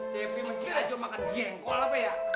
cebi masih aja makan gengkol apa ya